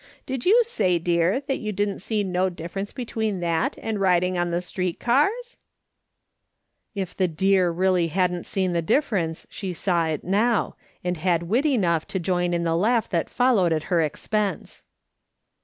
Did you say, dear, that you didn't see no difference between that and riding on the street cars ?"' If the " dear" really hadn't seen the difference, she saw it now, and had wit enough to join in the laugh that followed at her expense.